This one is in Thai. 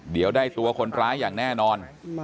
เดี๋ยวได้ตัวคนร้ายอย่างแน่นอน